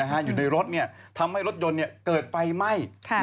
แล้วก็ทำให้รถไฟไหม้